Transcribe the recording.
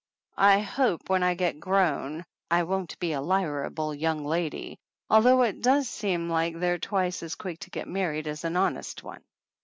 I hope when I get grown I won't be a liarable young lady, although it does seem like they're twice as quick to get married as an honest one.